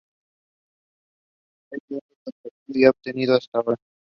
Es el único trofeo que ha obtenido hasta ahora.